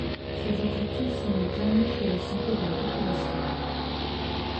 Ses objectifs sont le bien-être et la santé de la population.